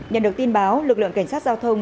nhận được tin báo lực lượng cảnh sát giao thông